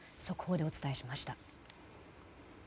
速報でお伝えしました。